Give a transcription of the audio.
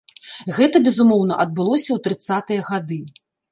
Гэта, безумоўна, адбылося ў трыццатыя гады.